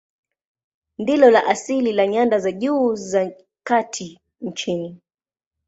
Ndilo la asili la nyanda za juu za kati nchini.